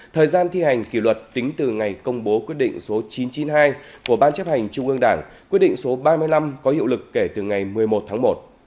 thời gian thi hành kỷ luật tính từ ngày công bố quyết định số chín trăm chín mươi hai của ban chấp hành trung ương đảng quyết định số ba mươi năm có hiệu lực kể từ ngày một mươi một tháng một